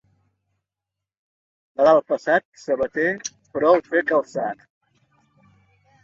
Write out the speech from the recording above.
Nadal passat, sabater, prou fer calçat.